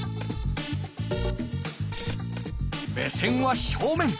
目線は正面。